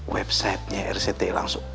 websitenya rct langsung